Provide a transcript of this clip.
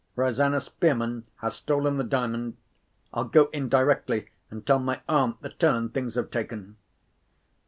Rosanna Spearman has stolen the Diamond. I'll go in directly, and tell my aunt the turn things have taken."